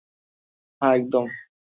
হ্যাঁ, একদম।